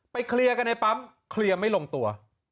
เคลียร์กันในปั๊มเคลียร์ไม่ลงตัว